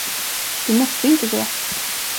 Du måste inte gå.